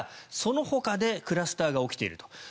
そのほかでクラスターが起きていると。